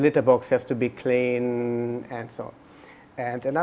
lidahnya harus bersih dan sebagainya